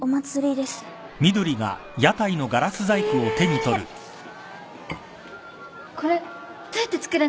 これどうやって作るんですか？